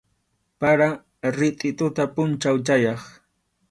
Para, ritʼi tuta pʼunchaw chayaq.